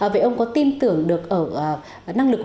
vậy ông có tin tưởng được ở năng lực